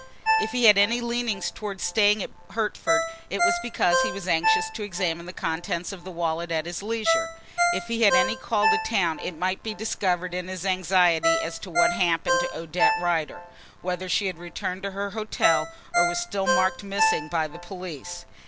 If he had any leanings towards staying at Hertford it was because he was anxious to examine the contents of the wallet at his leisure. If he had any call to town it might be discovered in his anxiety as to what had happened to Odette Rider; whether she had returned to her hotel or was still marked "missing" by the police.